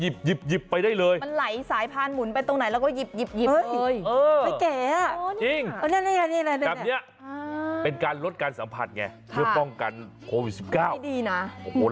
แบบนี้เป็นการลดการสัมผัสไงเพื่อป้องกันโควิด๑๙